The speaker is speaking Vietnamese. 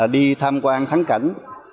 đi tham quan thắng cảnh